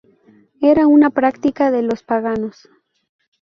Era una práctica de los paganos.